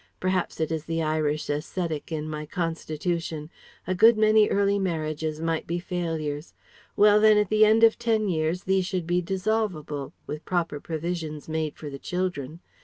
Perhaps it is the Irish ascetic in my constitution. A good many early marriages might be failures. Well then, at the end of ten years these should be dissolvable, with proper provision made for the children.